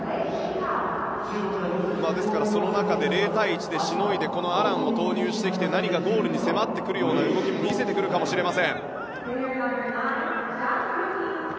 ですから、その中で０対１でしのいでアランを投入してきて何かゴールに迫ってくる動きも見せてくるかもしれません。